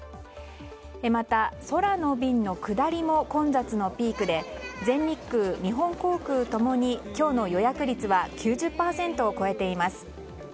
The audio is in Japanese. また、空の便の下りも混雑のピークで全日空、日本航空ともに今日の予約率は９０％を超えています。